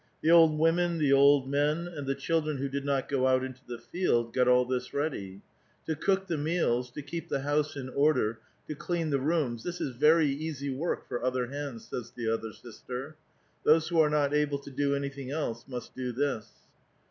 The old women, the old men, and the diildren who did not go out into the field got all this ready. "To cook the meals, to keep the house in order, to clean the rooms, this is very easy work for other hands," says the other sister. " Those who are not able to do anything else must do this."